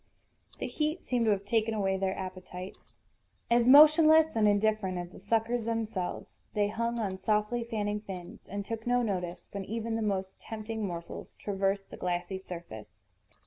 The heat seemed to have taken away their appetites. As motionless and indifferent as the suckers themselves, they hung on softly fanning fins, and took no notice when even the most tempting morsels traversed the glassy surface.